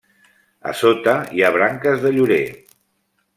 A sota hi ha branques de llorer.